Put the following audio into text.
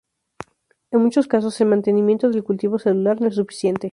En muchos casos, el mantenimiento del cultivo celular no es suficiente.